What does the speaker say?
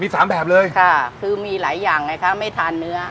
สามแบบเลยค่ะคือมีหลายอย่างไงคะไม่ทานเนื้อ